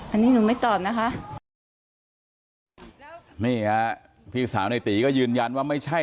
อันนี้หนูไม่ตอบนะคะนี่ฮะพี่สาวในตีก็ยืนยันว่าไม่ใช่